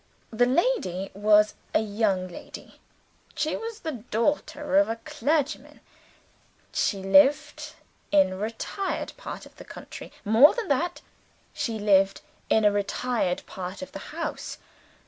The lady was a young lady. She was the daughter of a clergyman. She lived in a retired part of the country. More even than that, she lived in a retired part of the house.